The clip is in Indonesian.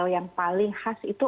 yang paling khas itu